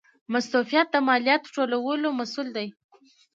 مستوفیت د مالیاتو ټولولو مسوول دی